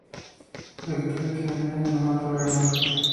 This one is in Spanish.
La historia termina en una taberna.